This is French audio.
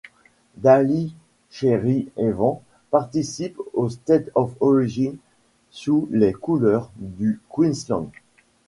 Daly Cherry-Evans participe au State of Origin sous les couleurs du Queensland.